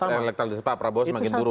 elektabilitas pak prabowo semakin buruk